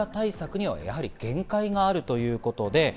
ただ水際対策には限界があるということで。